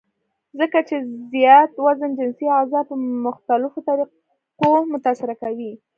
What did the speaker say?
ځکه چې زيات وزن جنسي اعضاء پۀ مختلفوطريقو متاثره کوي -